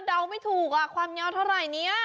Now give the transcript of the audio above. เดาไม่ถูกความยาวเท่าไหร่เนี่ย